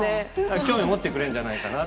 興味持ってくれるんじゃないかなと。